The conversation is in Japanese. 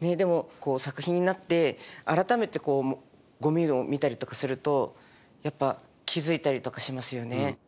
でも作品になって改めてゴミを見たりとかするとやっぱ気付いたりとかしますよね。